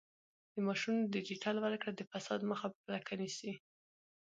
د معاشونو ډیجیټل ورکړه د فساد مخه په کلکه نیسي.